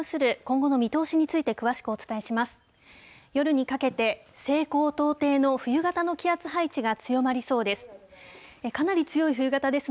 夜にかけて、西高東低の冬型の気圧配置が強まりそうです。